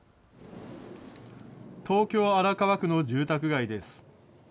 東京・荒川区の住宅街です。